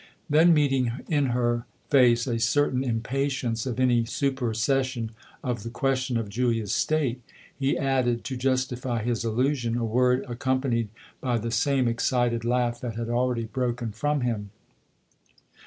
Then meeting in her face a certain impatience of any supersession of the question of Julia's state, he added, to justify his allusion, a word accompanied by the same excited laugh that had already broken from him.